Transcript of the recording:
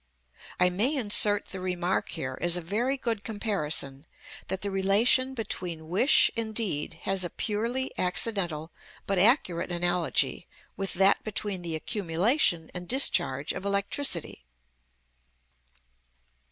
I may insert the remark here, as a very good comparison, that the relation between wish and deed has a purely accidental but accurate analogy with that between the accumulation and discharge of electricity.